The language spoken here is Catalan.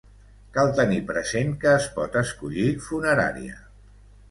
Cal tenir present que es pot escollir funerària.